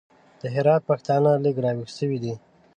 د هرات پښتانه لږ راوېښ سوي دي.